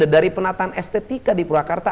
dari penataan estetika di purwakarta